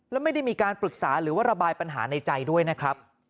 แล้วไม่ได้มีการปรึกษาหรือว่าระบายปัญหาในใจด้วยนะครับ